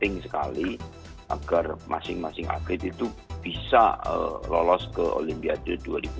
penting sekali agar masing masing atlet itu bisa lolos ke olimpiade dua ribu dua puluh